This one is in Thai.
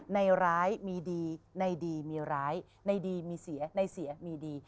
ในร้ายมีดีในดีมีร้ายในดีมีเสียในเสียมีดี